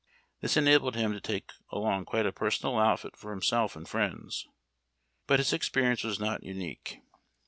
This enabled him to take along quite a personal outfit for him self and friends. But his experience was not unique.